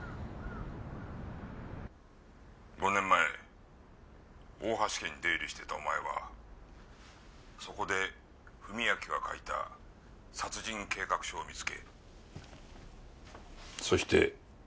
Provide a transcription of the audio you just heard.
５年前大橋家に出入りしていたお前はそこで史明が書いた殺人計画書を見つけそしてそれを実行に移した。